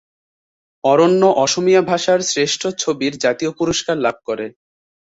অরণ্য অসমীয়া ভাষার শ্রেষ্ঠ ছবির জাতীয় পুরস্কার লাভ করে।